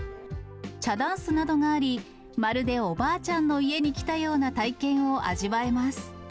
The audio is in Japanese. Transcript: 茶だんすなどがあり、まるでおばあちゃんの家に来たような体験を味わえます。